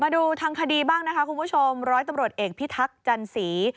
ดูทางคดีบ้างนะคะคุณผู้ชมร้อยตำรวจเอกพิทักษ์จันสี